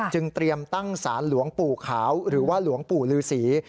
เตรียมตั้งสารหลวงปู่ขาวหรือว่าหลวงปู่ลือศรี